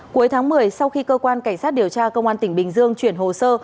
cuối tháng một mươi sau khi cơ quan cảnh sát điều tra công an tp hcm chuyển hồ sơ